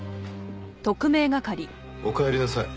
おかえりなさい。